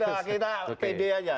iya sudah kita pede saja